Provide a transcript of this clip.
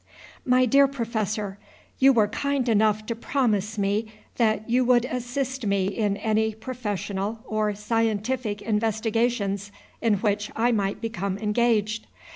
MY DEAR PROFESSOR, You were kind enough to promise me that you would assist me in any professional or scientific investigations in which I might become engaged.